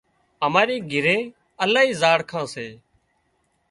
اماري گھري الاهي زاڙکان سي